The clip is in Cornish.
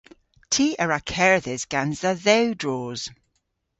Ty a wra kerdhes gans dha dhewdros.